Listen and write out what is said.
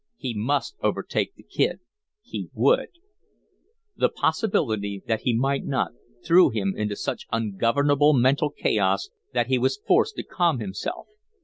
He must overtake the Kid he WOULD! The possibility that he might not threw him into such ungovernable mental chaos that he was forced to calm himself.